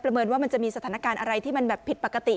เมินว่ามันจะมีสถานการณ์อะไรที่มันแบบผิดปกติ